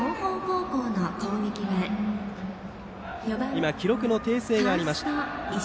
今、記録の訂正がありました。